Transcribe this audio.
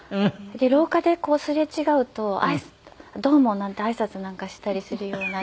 で廊下でこうすれ違うと「どうも」なんて挨拶なんかしたりするような。